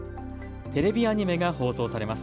テレビアニメが放送されます。